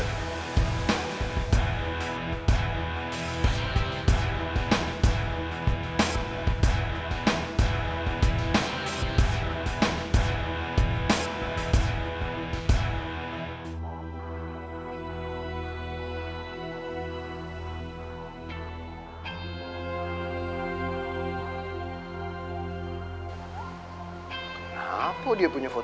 berapa apa dia yang patokin